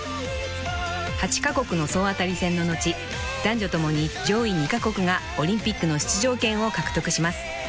［８カ国の総当たり戦の後男女ともに上位２カ国がオリンピックの出場権を獲得します］